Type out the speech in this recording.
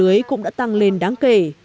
dưa lưới cũng đã tăng lên đáng kể